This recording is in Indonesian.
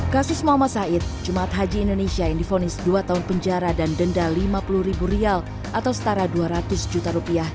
kasus muhammad said jumat haji indonesia yang difonis dua tahun penjara dan denda rp lima puluh atau setara rp dua ratus